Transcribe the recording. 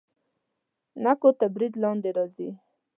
نکو تر برید لاندې راځي.